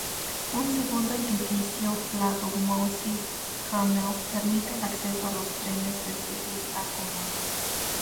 Un segundo edificio, lado Moissy-Cramayel, permite el acceso a los trenes desde esta común.